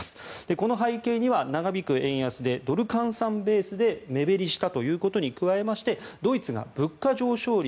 この背景には長引く円安でドル換算ベースで目減りしたということに加えましてドイツが物価上昇率